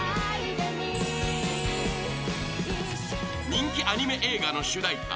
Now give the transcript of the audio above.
［人気アニメ映画の主題歌］